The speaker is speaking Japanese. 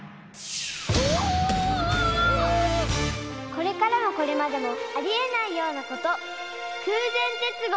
これからもこれまでもありえないようなこと！